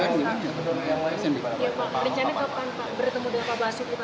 bagaimana rencana kapan pak bertemu dengan pak basyuk itu pak